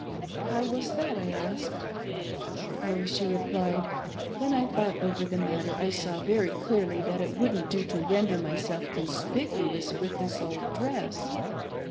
" Mow was that ?" I asked. "Oh," she replied, "when I thought over the matter I saw very clearly that it wouldn't do to render myself conspicuous with this old dress.